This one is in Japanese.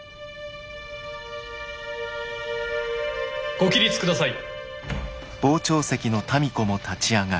ご起立ください。